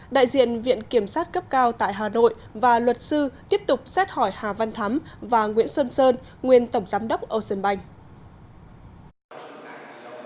đại diện viện kiểm sát cấp cao tại hà nội và luật sư tiếp tục xét hỏi hà văn thắm và nguyễn xuân sơn nguyên tổng giám đốc ocean bank